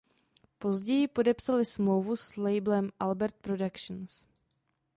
Později podepsali smlouvu s labelem Albert Productions.